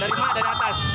dari mana dari atas